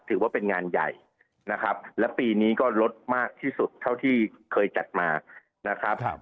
ถือว่าเป็นงานใหญ่นะครับและปีนี้ก็ลดมากที่สุดเท่าที่เคยจัดมานะครับ